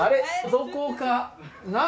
どこかな。